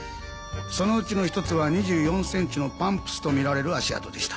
そのうちの一つは２４センチのパンプスとみられる足跡でした。